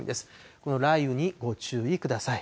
この雷雨にご注意ください。